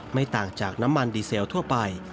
ไม่ต่างจากน้ำมันดีเซลทั่วไป